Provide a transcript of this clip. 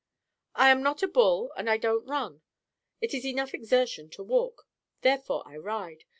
"I'm not a bull and I don't run. It's enough exertion to walk. Therefore I ride.